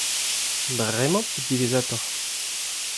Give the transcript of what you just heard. Bremañ pe diwezhatoc'h ?